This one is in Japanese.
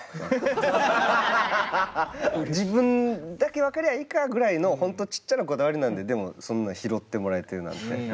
自分だけ分かりゃあいいかぐらいの本当ちっちゃなこだわりなんででもそんな拾ってもらえてるなんてさすが！